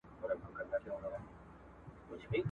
لا په غاړه د لوټونو امېلونه ..